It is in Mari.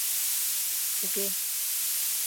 «Уке!